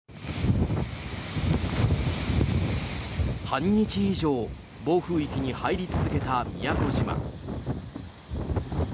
半日以上、暴風域に入り続けた宮古島。